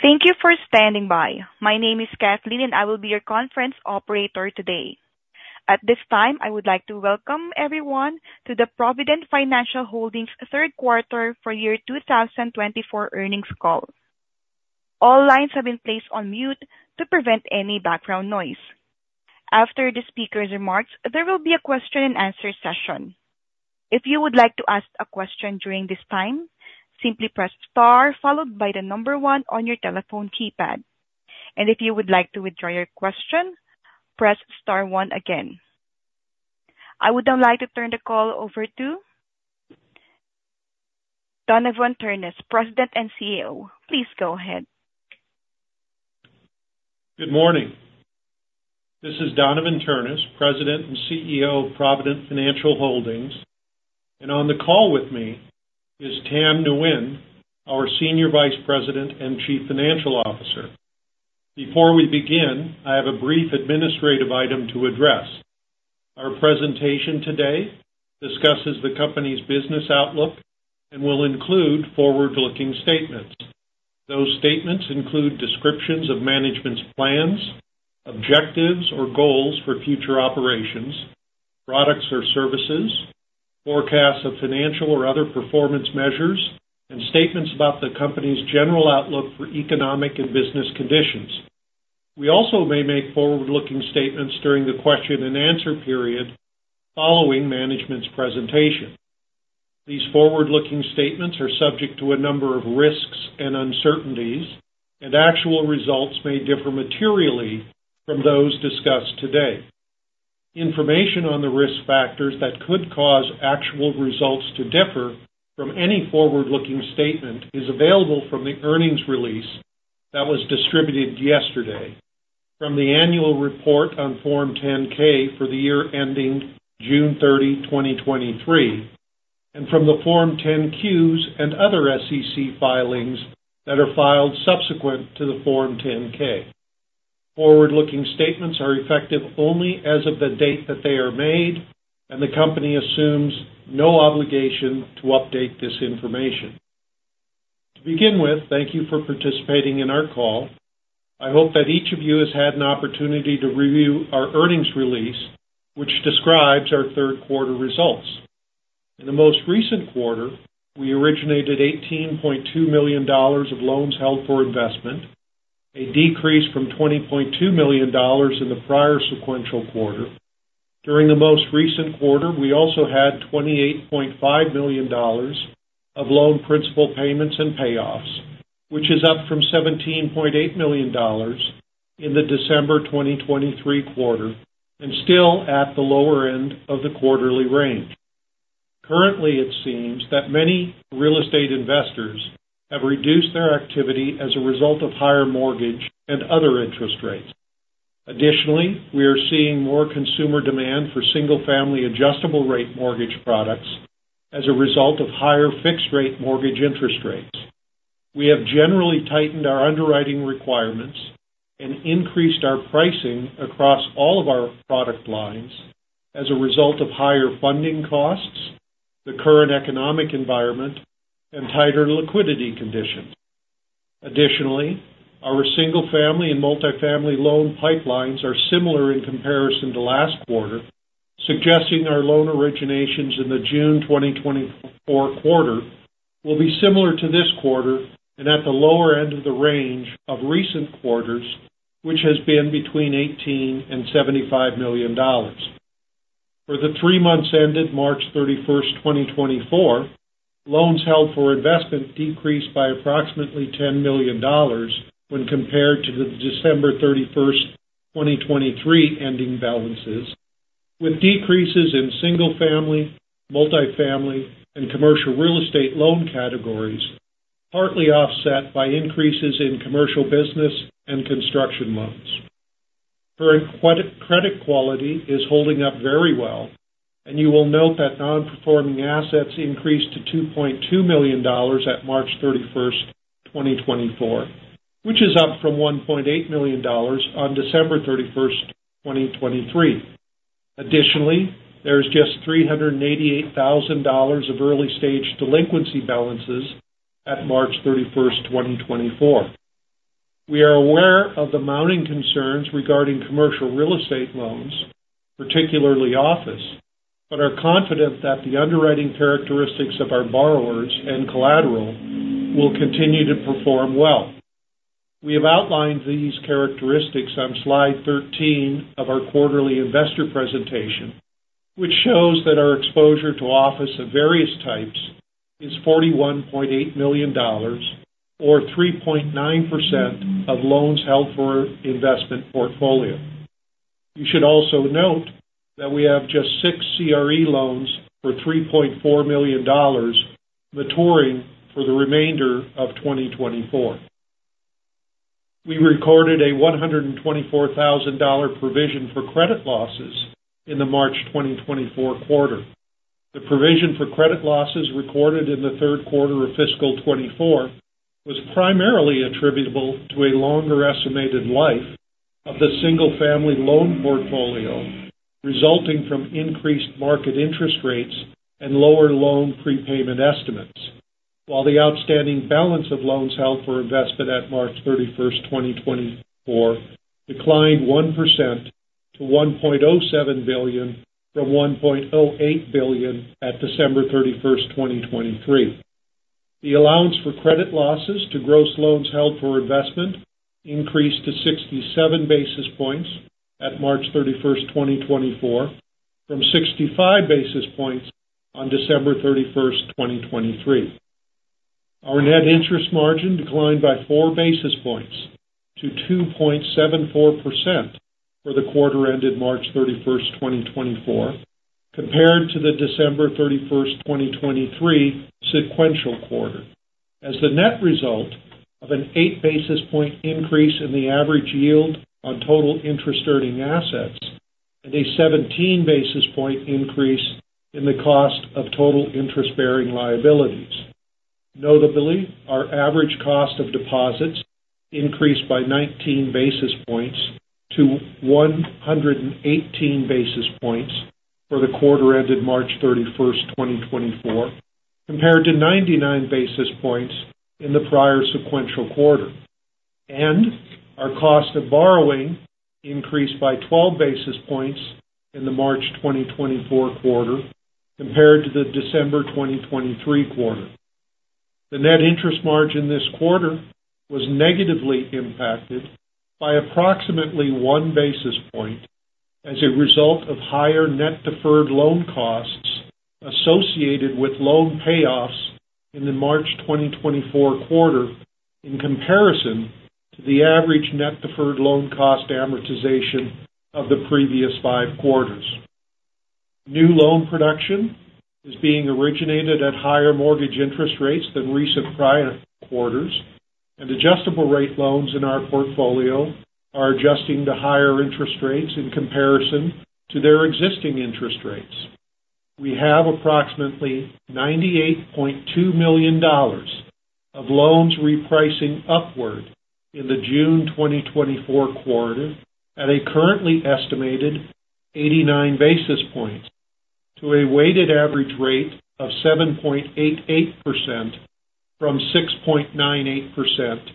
Thank you for standing by. My name is Kathleen and I will be your conference operator today. At this time I would like to welcome everyone to the Provident Financial Holdings Third Quarter for Year 2024 Earnings Call. All lines have been placed on mute to prevent any background noise. After the speaker's remarks, there will be a question-and-answer session. If you would like to ask a question during this time, simply press * followed by the number 1 on your telephone keypad, and if you would like to withdraw your question, press * 1 again. I would now like to turn the call over to Donavon Ternes, President and CEO. Please go ahead. Good morning. This is Donavon Ternes, President and CEO of Provident Financial Holdings, and on the call with me is Tam Nguyen, our Senior Vice President and Chief Financial Officer. Before we begin, I have a brief administrative item to address. Our presentation today discusses the company's business outlook and will include forward-looking statements. Those statements include descriptions of management's plans, objectives or goals for future operations, products or services, forecasts of financial or other performance measures, and statements about the company's general outlook for economic and business conditions. We also may make forward-looking statements during the question-and-answer period following management's presentation. These forward-looking statements are subject to a number of risks and uncertainties, and actual results may differ materially from those discussed today. Information on the risk factors that could cause actual results to differ from any forward-looking statement is available from the earnings release that was distributed yesterday, from the annual report on Form 10-K for the year ending June 30, 2023, and from the Form 10-Qs and other SEC filings that are filed subsequent to the Form 10-K. Forward-looking statements are effective only as of the date that they are made, and the company assumes no obligation to update this information. To begin with, thank you for participating in our call. I hope that each of you has had an opportunity to review our earnings release, which describes our third quarter results. In the most recent quarter, we originated $18.2 million of loans held for investment, a decrease from $20.2 million in the prior sequential quarter. During the most recent quarter, we also had $28.5 million of loan principal payments and payoffs, which is up from $17.8 million in the December 2023 quarter and still at the lower end of the quarterly range. Currently, it seems that many real estate investors have reduced their activity as a result of higher mortgage and other interest rates. Additionally, we are seeing more consumer demand for single-family adjustable-rate mortgage products as a result of higher fixed-rate mortgage interest rates. We have generally tightened our underwriting requirements and increased our pricing across all of our product lines as a result of higher funding costs, the current economic environment, and tighter liquidity conditions. Additionally, our single-family and multifamily loan pipelines are similar in comparison to last quarter, suggesting our loan originations in the June 2024 quarter will be similar to this quarter and at the lower end of the range of recent quarters, which has been between $18 million and $75 million. For the 3 months ended March 31, 2024, loans held for investment decreased by approximately $10 million when compared to the December 31, 2023 ending balances, with decreases in single-family, multifamily, and commercial real estate loan categories partly offset by increases in commercial business and construction loans. Current credit quality is holding up very well, and you will note that non-performing assets increased to $2.2 million at March 31, 2024, which is up from $1.8 million on December 31, 2023. Additionally, there is just $388,000 of early-stage delinquency balances at March 31, 2024. We are aware of the mounting concerns regarding commercial real estate loans, particularly office, but are confident that the underwriting characteristics of our borrowers and collateral will continue to perform well. We have outlined these characteristics on slide 13 of our quarterly investor presentation, which shows that our exposure to office of various types is $41.8 million, or 3.9% of loans held for investment portfolio. You should also note that we have just six CRE loans for $3.4 million maturing for the remainder of 2024. We recorded a $124,000 provision for credit losses in the March 2024 quarter. The provision for credit losses recorded in the third quarter of fiscal 2024 was primarily attributable to a longer estimated life of the single-family loan portfolio resulting from increased market interest rates and lower loan prepayment estimates, while the outstanding balance of loans held for investment at March 31, 2024 declined 1% to $1.07 billion from $1.08 billion at December 31, 2023. The allowance for credit losses to gross loans held for investment increased to 67 basis points at March 31, 2024, from 65 basis points on December 31, 2023. Our net interest margin declined by 4 basis points to 2.74% for the quarter ended March 31, 2024, compared to the December 31, 2023 sequential quarter, as the net result of an 8 basis point increase in the average yield on total interest-earning assets and a 17 basis point increase in the cost of total interest-bearing liabilities. Notably, our average cost of deposits increased by 19 basis points to 118 basis points for the quarter ended March 31, 2024, compared to 99 basis points in the prior sequential quarter, and our cost of borrowing increased by 12 basis points in the March 2024 quarter compared to the December 2023 quarter. The net interest margin this quarter was negatively impacted by approximately 1 basis point as a result of higher net deferred loan costs associated with loan payoffs in the March 2024 quarter in comparison to the average net deferred loan cost amortization of the previous five quarters. New loan production is being originated at higher mortgage interest rates than recent prior quarters, and adjustable-rate loans in our portfolio are adjusting to higher interest rates in comparison to their existing interest rates. We have approximately $98.2 million of loans repricing upward in the June 2024 quarter at a currently estimated 89 basis points to a weighted average rate of 7.88% from 6.98%,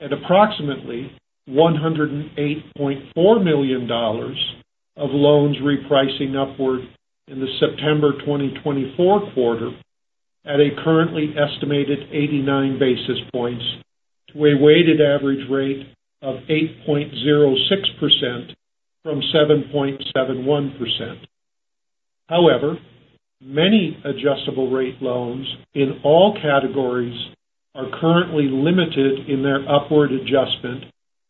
and approximately $108.4 million of loans repricing upward in the September 2024 quarter at a currently estimated 89 basis points to a weighted average rate of 8.06% from 7.71%. However, many adjustable-rate loans in all categories are currently limited in their upward adjustment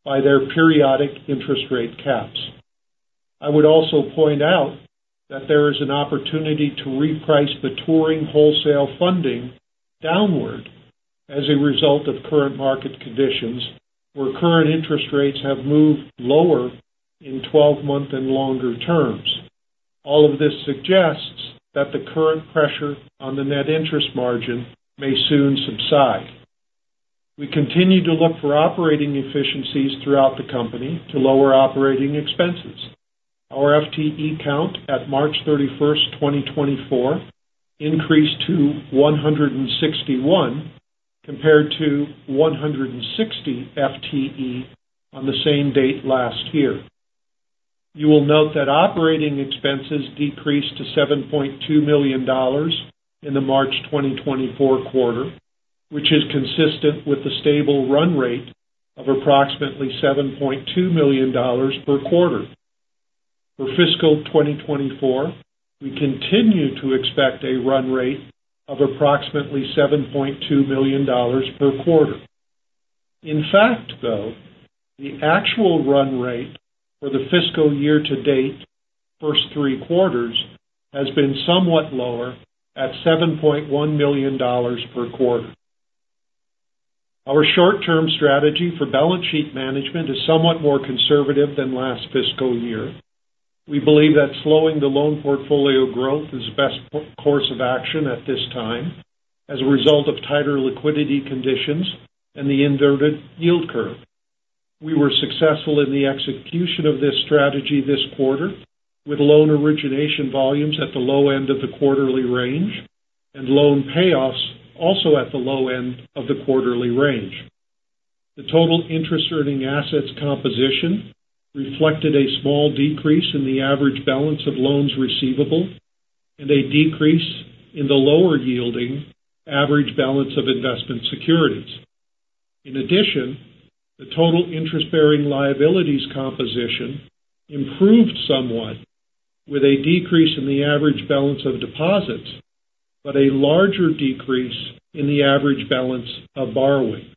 by their periodic interest rate caps. I would also point out that there is an opportunity to reprice our entire wholesale funding downward as a result of current market conditions where current interest rates have moved lower in 12-month and longer terms. All of this suggests that the current pressure on the net interest margin may soon subside. We continue to look for operating efficiencies throughout the company to lower operating expenses. Our FTE count at March 31, 2024 increased to 161 compared to 160 FTE on the same date last year. You will note that operating expenses decreased to $7.2 million in the March 2024 quarter, which is consistent with the stable run rate of approximately $7.2 million per quarter. For fiscal 2024, we continue to expect a run rate of approximately $7.2 million per quarter. In fact, though, the actual run rate for the fiscal year-to-date first three quarters has been somewhat lower at $7.1 million per quarter. Our short-term strategy for balance sheet management is somewhat more conservative than last fiscal year. We believe that slowing the loan portfolio growth is the best course of action at this time as a result of tighter liquidity conditions and the inverted yield curve. We were successful in the execution of this strategy this quarter with loan origination volumes at the low end of the quarterly range and loan payoffs also at the low end of the quarterly range. The total interest-earning assets composition reflected a small decrease in the average balance of loans receivable and a decrease in the lower-yielding average balance of investment securities. In addition, the total interest-bearing liabilities composition improved somewhat with a decrease in the average balance of deposits but a larger decrease in the average balance of borrowings.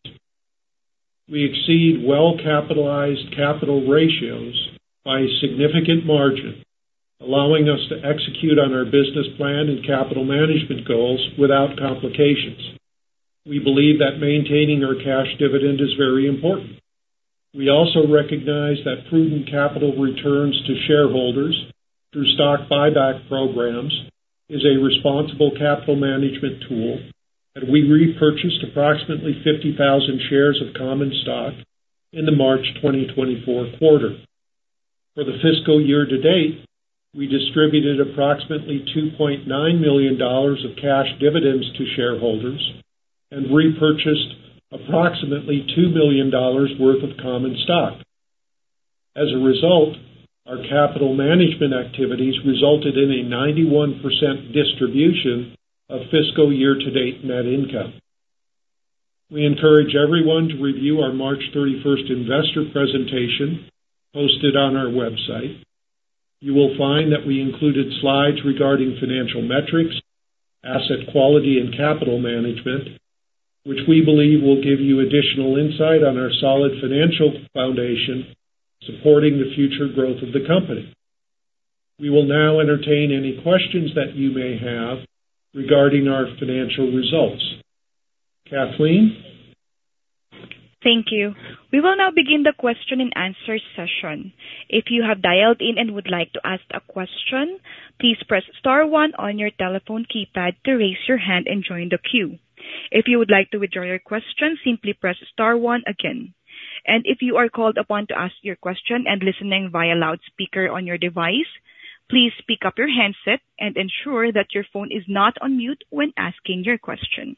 We exceed well-capitalized capital ratios by a significant margin, allowing us to execute on our business plan and capital management goals without complications. We believe that maintaining our cash dividend is very important. We also recognize that prudent capital returns to shareholders through stock buyback programs is a responsible capital management tool, and we repurchased approximately 50,000 shares of common stock in the March 2024 quarter. For the fiscal year-to-date, we distributed approximately $2.9 million of cash dividends to shareholders and repurchased approximately $2 million worth of common stock. As a result, our capital management activities resulted in a 91% distribution of fiscal year-to-date net income. We encourage everyone to review our March 31 investor presentation posted on our website. You will find that we included slides regarding financial metrics, asset quality, and capital management, which we believe will give you additional insight on our solid financial foundation supporting the future growth of the company. We will now entertain any questions that you may have regarding our financial results. Kathleen? Thank you. We will now begin the question-and-answer session. If you have dialed in and would like to ask a question, please press star one on your telephone keypad to raise your hand and join the queue. If you would like to withdraw your question, simply press star one again. If you are called upon to ask your question and listening via loudspeaker on your device, please pick up your handset and ensure that your phone is not on mute when asking your question.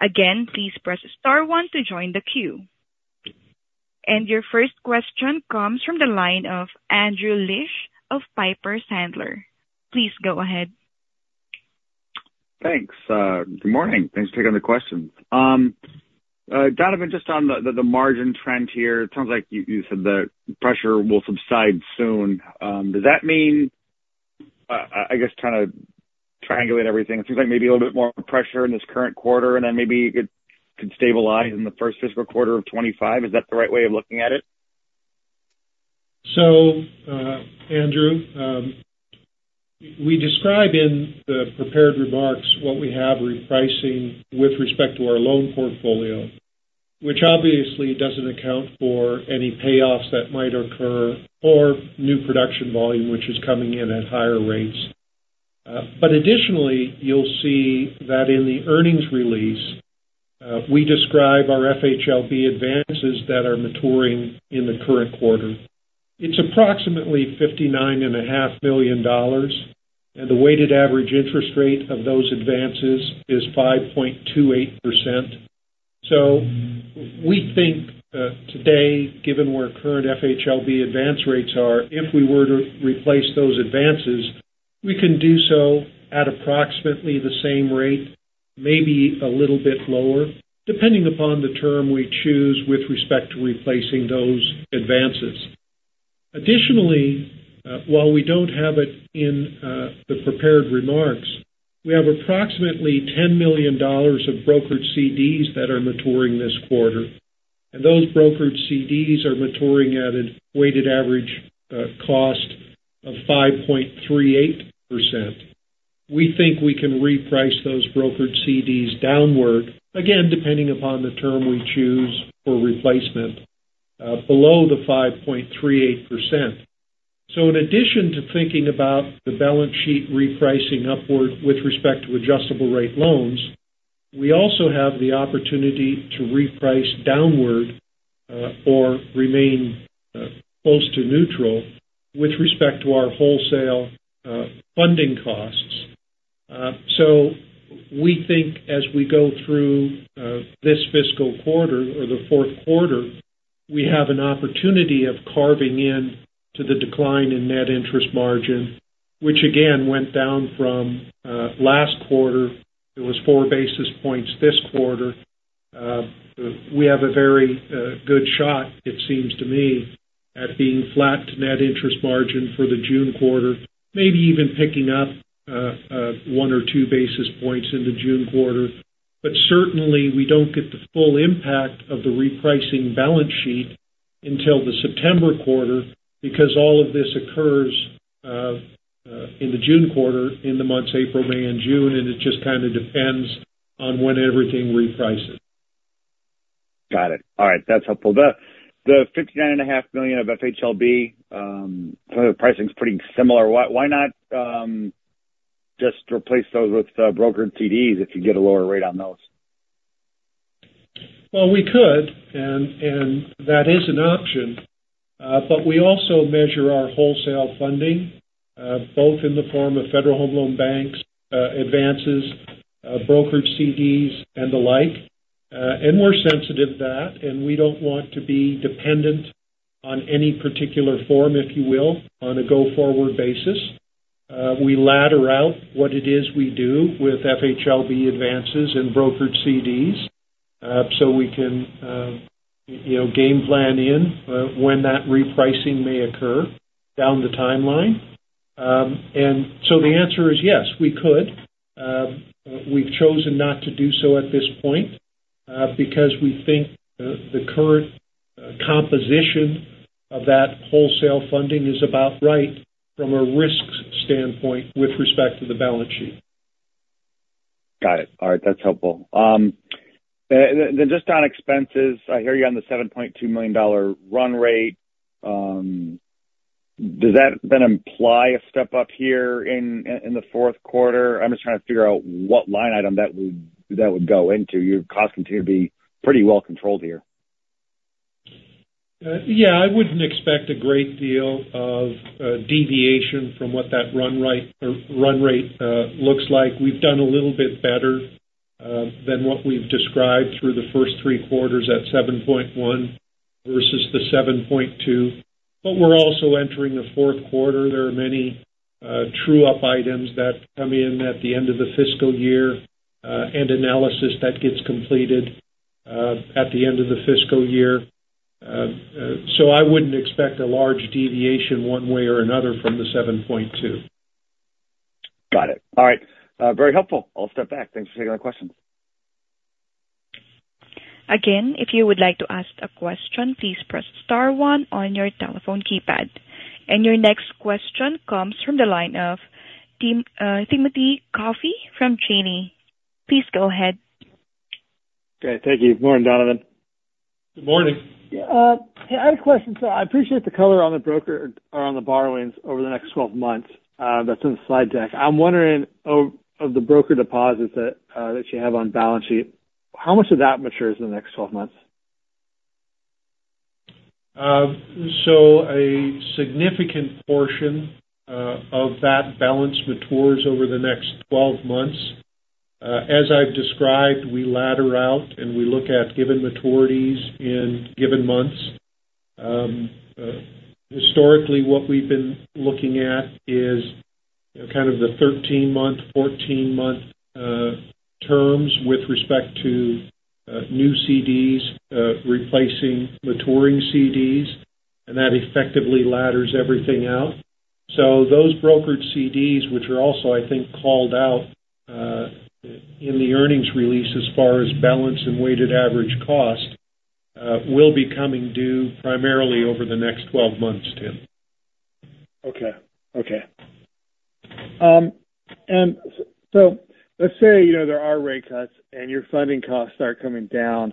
Again, please press star one to join the queue. Your first question comes from the line of Andrew Liesch of Piper Sandler. Please go ahead. Thanks. Good morning. Thanks for taking the question. Donavon, just on the margin trend here, it sounds like you said the pressure will subside soon. Does that mean I guess trying to triangulate everything, it seems like maybe a little bit more pressure in this current quarter and then maybe it could stabilize in the first fiscal quarter of 2025. Is that the right way of looking at it? So, Andrew, we describe in the prepared remarks what we have repricing with respect to our loan portfolio, which obviously doesn't account for any payoffs that might occur or new production volume, which is coming in at higher rates. But additionally, you'll see that in the earnings release, we describe our FHLB advances that are maturing in the current quarter. It's approximately $59.5 million, and the weighted average interest rate of those advances is 5.28%. So we think today, given where current FHLB advance rates are, if we were to replace those advances, we can do so at approximately the same rate, maybe a little bit lower, depending upon the term we choose with respect to replacing those advances. Additionally, while we don't have it in the prepared remarks, we have approximately $10 million of brokered CDs that are maturing this quarter, and those brokered CDs are maturing at a weighted average cost of 5.38%. We think we can reprice those brokered CDs downward, again, depending upon the term we choose for replacement, below the 5.38%. So in addition to thinking about the balance sheet repricing upward with respect to adjustable-rate loans, we also have the opportunity to reprice downward or remain close to neutral with respect to our wholesale funding costs. So we think as we go through this fiscal quarter or the fourth quarter, we have an opportunity of carving into the decline in net interest margin, which again went down from last quarter. It was four basis points this quarter. We have a very good shot, it seems to me, at being flat to net interest margin for the June quarter, maybe even picking up one or two basis points in the June quarter. But certainly, we don't get the full impact of the repricing balance sheet until the September quarter because all of this occurs in the June quarter in the months April, May, and June, and it just kind of depends on when everything reprices. Got it. All right. That's helpful. The $59.5 million of FHLB, the pricing's pretty similar. Why not just replace those with brokered CDs if you get a lower rate on those? Well, we could, and that is an option. But we also measure our wholesale funding, both in the form of Federal Home Loan Banks advances, brokered CDs, and the like. And we're sensitive to that, and we don't want to be dependent on any particular form, if you will, on a go-forward basis. We ladder out what it is we do with FHLB advances and brokered CDs so we can game plan in when that repricing may occur down the timeline. And so the answer is yes, we could. We've chosen not to do so at this point because we think the current composition of that wholesale funding is about right from a risk standpoint with respect to the balance sheet. Got it. All right. That's helpful. Then just on expenses, I hear you're on the $7.2 million run rate. Does that then imply a step up here in the fourth quarter? I'm just trying to figure out what line item that would go into. Your costs continue to be pretty well controlled here. Yeah. I wouldn't expect a great deal of deviation from what that run rate looks like. We've done a little bit better than what we've described through the first three quarters at 7.1 versus the 7.2. But we're also entering the fourth quarter. There are many true-up items that come in at the end of the fiscal year and analysis that gets completed at the end of the fiscal year. So I wouldn't expect a large deviation one way or another from the 7.2. Got it. All right. Very helpful. I'll step back. Thanks for taking the questions. Again, if you would like to ask a question, please press star one on your telephone keypad. And your next question comes from the line of Timothy Coffey from Janney. Please go ahead. Okay. Thank you. Good morning, Donavon. Good morning. Hey, I have a question. So I appreciate the color on the brokered borrowings over the next 12 months. That's in the slide deck. I'm wondering, of the brokered deposits that you have on balance sheet, how much of that matures in the next 12 months? So a significant portion of that balance matures over the next 12 months. As I've described, we ladder out, and we look at given maturities in given months. Historically, what we've been looking at is kind of the 13-month, 14-month terms with respect to new CDs, replacing maturing CDs, and that effectively ladders everything out. So those brokered CDs, which are also, I think, called out in the earnings release as far as balance and weighted average cost, will be coming due primarily over the next 12 months, Tim. Okay. Okay. And so let's say there are rate cuts and your funding costs start coming down.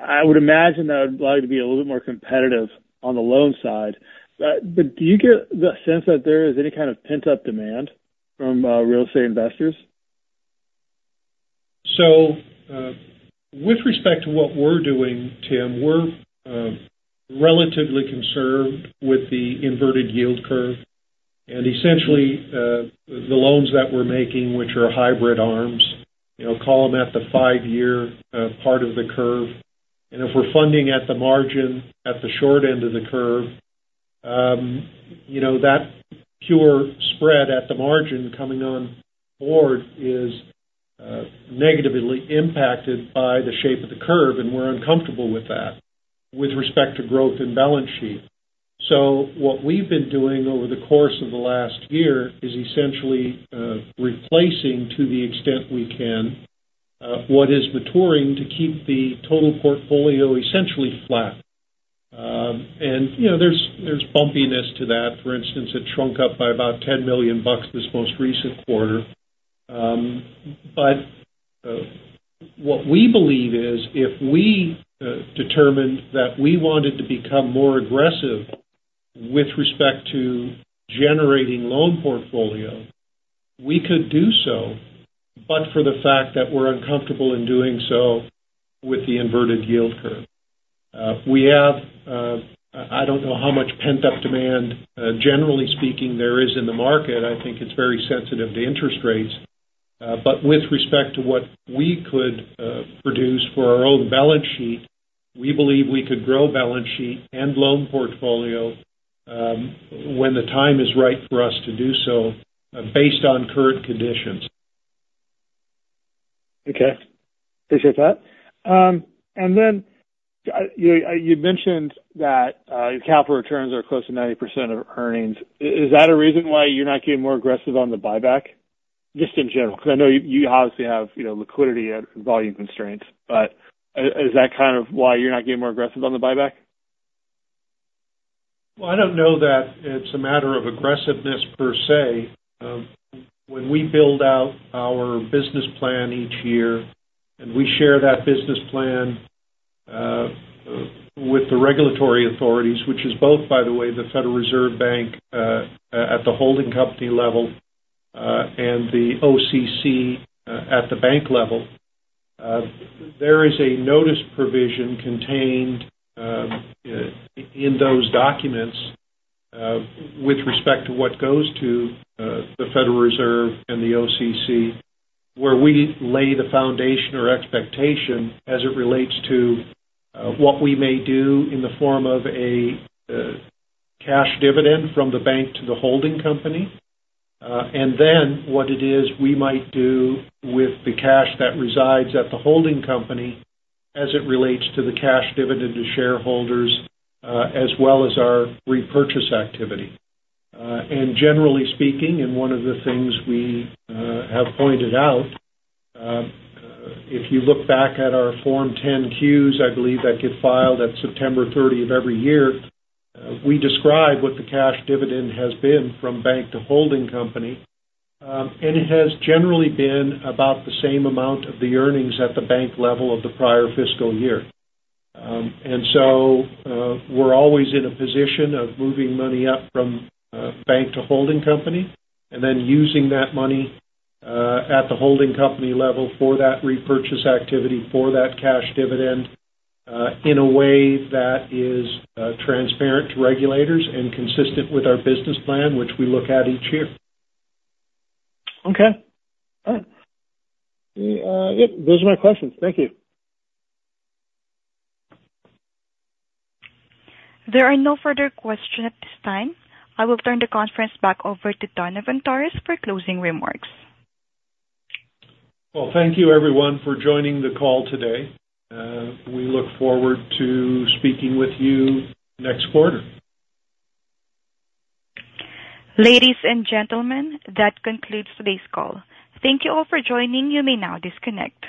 I would imagine that would allow you to be a little bit more competitive on the loan side. But do you get the sense that there is any kind of pent-up demand from real estate investors? So with respect to what we're doing, Tim, we're relatively conservative with the inverted yield curve. And essentially, the loans that we're making, which are hybrid ARMs, call them at the 5-year part of the curve. If we're funding at the margin, at the short end of the curve, that pure spread at the margin coming on board is negatively impacted by the shape of the curve, and we're uncomfortable with that with respect to growth in balance sheet. So what we've been doing over the course of the last year is essentially replacing, to the extent we can, what is maturing to keep the total portfolio essentially flat. And there's bumpiness to that. For instance, it shrunk up by about $10 million this most recent quarter. But what we believe is if we determined that we wanted to become more aggressive with respect to generating loan portfolio, we could do so, but for the fact that we're uncomfortable in doing so with the inverted yield curve. I don't know how much pent-up demand, generally speaking, there is in the market. I think it's very sensitive to interest rates. But with respect to what we could produce for our own balance sheet, we believe we could grow balance sheet and loan portfolio when the time is right for us to do so based on current conditions. Okay. Appreciate that. And then you mentioned that your capital returns are close to 90% of earnings. Is that a reason why you're not getting more aggressive on the buyback, just in general? Because I know you obviously have liquidity and volume constraints, but is that kind of why you're not getting more aggressive on the buyback? Well, I don't know that it's a matter of aggressiveness per se. When we build out our business plan each year and we share that business plan with the regulatory authorities, which is both, by the way, the Federal Reserve Bank at the holding company level and the OCC at the bank level, there is a notice provision contained in those documents with respect to what goes to the Federal Reserve and the OCC where we lay the foundation or expectation as it relates to what we may do in the form of a cash dividend from the bank to the holding company. And then what it is we might do with the cash that resides at the holding company as it relates to the cash dividend to shareholders as well as our repurchase activity. And generally speaking, and one of the things we have pointed out, if you look back at our Form 10-Qs, I believe that get filed at September 30 of every year, we describe what the cash dividend has been from bank to holding company, and it has generally been about the same amount of the earnings at the bank level of the prior fiscal year. And so we're always in a position of moving money up from bank to holding company and then using that money at the holding company level for that repurchase activity, for that cash dividend, in a way that is transparent to regulators and consistent with our business plan, which we look at each year. Okay. All right. Yep. Those are my questions. Thank you. There are no further questions at this time. I will turn the conference back over to Donavon Ternes for closing remarks. Well, thank you, everyone, for joining the call today. We look forward to speaking with you next quarter. Ladies and gentlemen, that concludes today's call. Thank you all for joining. You may now disconnect.